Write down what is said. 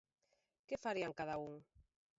Que farían cada un?